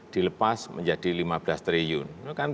dilepas menjadi lima belas triliun